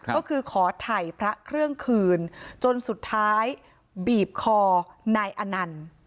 ก็คือขอถ่ายพระเครื่องคืนจนสุดท้ายบีบคอนายอนันต์